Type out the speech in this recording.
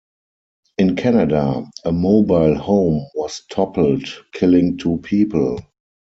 In Canada, a mobile home was toppled, killing two people.